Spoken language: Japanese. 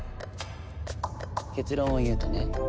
結論を言うとね